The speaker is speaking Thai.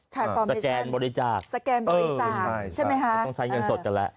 คาร์นฟอร์เมชันสแกนบริจาคใช่ไหมฮะต้องใช้เงินสดกันแล้ว